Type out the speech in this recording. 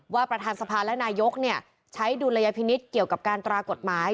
ประธานสภาและนายกใช้ดุลยพินิษฐ์เกี่ยวกับการตรากฎหมาย